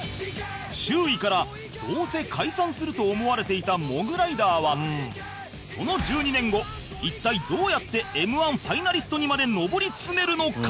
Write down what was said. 周囲からどうせ解散すると思われていたモグライダーはその１２年後一体どうやって Ｍ−１ ファイナリストにまで上り詰めるのか？